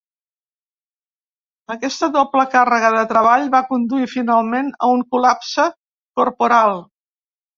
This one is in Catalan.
Aquesta doble càrrega de treball va conduir finalment a un col·lapse corporal.